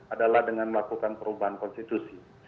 adalah dengan melakukan perubahan konstitusi